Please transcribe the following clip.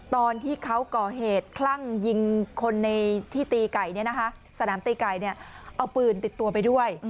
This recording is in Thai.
ตอนที่เขาก่อเหตุคลั่งยิงคนในที่ตีไก่สนามตีไก่เอาปืนติดตัวไปด้วย